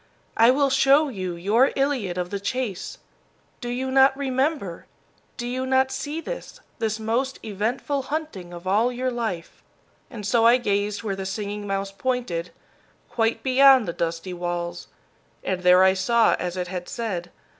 "I will show you your Iliad of the chase. Do you not remember, do you not see this, the most eventful hunting of all your life?" And so I gazed where the Singing Mouse pointed, quite beyond the dusty walls, and there I saw as it had said.